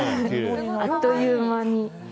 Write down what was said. あっという間に。